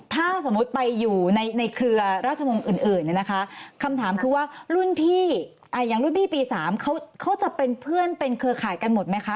ถ้าสมมุติไปอยู่ในเครือราชวงศ์อื่นเนี่ยนะคะคำถามคือว่ารุ่นพี่อย่างรุ่นพี่ปี๓เขาจะเป็นเพื่อนเป็นเครือข่ายกันหมดไหมคะ